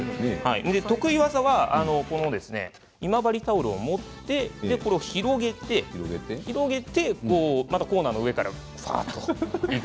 得意技は今治タオルを持って広げてまたコーナーの上からふわりといく。